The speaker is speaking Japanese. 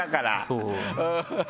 そう。